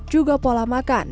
juga pola makan